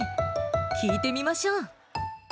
聞いてみましょう。